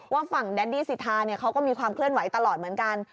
ว่าฝั่งแดดดี้สิทธาเขาก็มีความเคลื่อนไหวตลอดเหมือนกัน